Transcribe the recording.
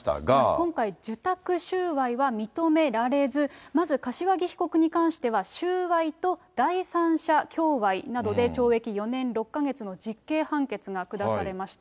今回、受託収賄は認められず、まず柏木被告に関しては、収賄と第三者供賄などで懲役４年６か月の実刑判決が下されました。